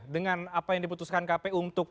dengan apa yang diputuskan kpu untuk